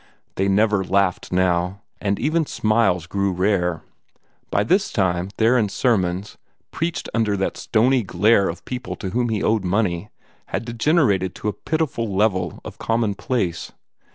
They never laughed now, and even smiles grew rare. By this time Theron's sermons, preached under that stony glare of people to whom he owed money, had degenerated to a pitiful level of commonplace.